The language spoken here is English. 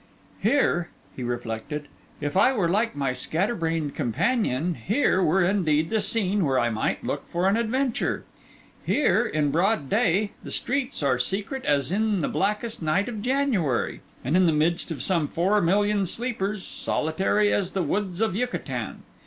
'Here,' he reflected, 'if I were like my scatter brained companion, here were indeed the scene where I might look for an adventure. Here, in broad day, the streets are secret as in the blackest night of January, and in the midst of some four million sleepers, solitary as the woods of Yucatan.